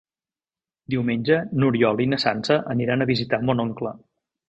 Diumenge n'Oriol i na Sança aniran a visitar mon oncle.